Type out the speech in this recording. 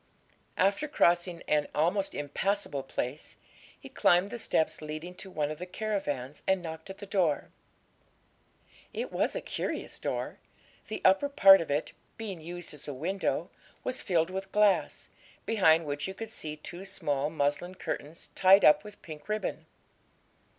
After crossing an almost impassable place, he climbed the steps leading to one of the caravans and knocked at the door. It was a curious door; the upper part of it, being used as a window, was filled with glass, behind which you could see two small muslin curtains, tied up with pink ribbon.